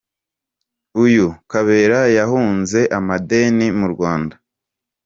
Uyu kabera yahunze amadeni mu Rwanda.